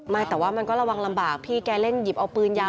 ไม่แต่ว่ามันก็ระวังลำบากพี่แกเล่นหยิบเอาปืนยาว